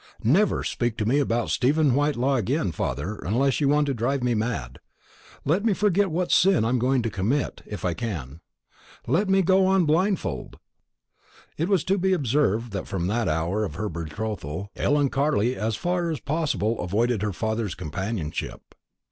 Never speak to me about Stephen Whitelaw again, father, unless you want to drive me mad. Let me forget what sin I am going to commit, if I can; let me go on blindfold." It was to be observed that from the hour of her betrothal Ellen Carley as far as possible avoided her father's companionship.